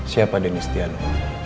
siapa deniz tiano